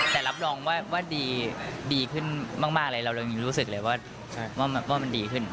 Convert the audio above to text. แต่รับรองว่าดีขึ้นมากเลยเรายังรู้สึกเลยว่ามันดีขึ้น